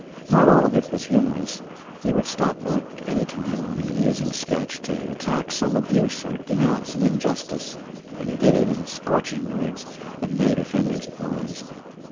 Not all of it was humorous; he would stop work any time on an amusing sketch to attack some abuse or denounce an injustice, and he did it in scorching words that made offenders pause.